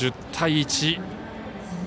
１０対１。